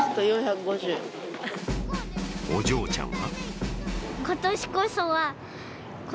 お嬢ちゃんは？